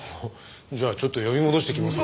じゃあちょっと呼び戻してきます。